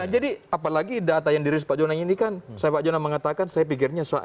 jadi apalagi data yang dirilis pak jonah ini kan saya pak jonah mengatakan saya pikirnya